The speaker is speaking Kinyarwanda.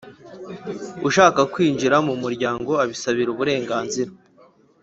Ushaka kwinjira mu muryango abisabira uburenganzira